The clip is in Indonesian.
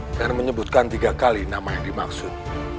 dan menyebutkan tiga kali nama yang dimaksud